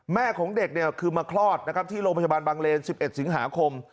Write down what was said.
แม่ของเด็กคือมาคลอดที่โรงพยาบาลบังเลน๑๑สิงหาคม